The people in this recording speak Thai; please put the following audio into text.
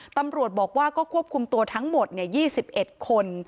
ตำรวจบอกว่าก็ควบคุมตัวทั้งหมด๒๑คน